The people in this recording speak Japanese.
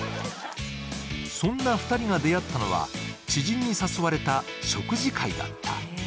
そんな２人が出会ったのは知人に誘われた食事会だった。